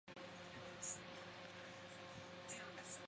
推测该坟的主人可能就是伊瓦尔。